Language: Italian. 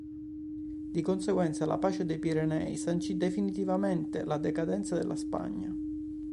Di conseguenza la pace dei Pirenei sancì definitivamente la decadenza della Spagna.